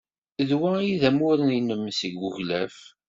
D wa ay d amur-nnem seg uglaf.